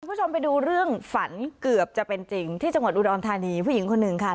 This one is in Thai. คุณผู้ชมไปดูเรื่องฝันเกือบจะเป็นจริงที่จังหวัดอุดรธานีผู้หญิงคนหนึ่งค่ะ